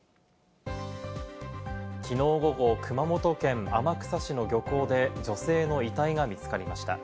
きのう午後、熊本県天草市の漁港で女性の遺体が見つかりました。